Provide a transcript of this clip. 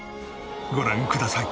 ご覧ください。